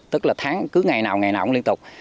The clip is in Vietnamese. tức là tháng cứ ngày nào ngày nào cũng liên tục